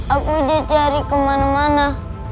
aku dia cari kemana mana